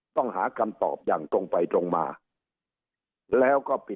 ต้องหากลับตอบอย่างตรงไปตรงมา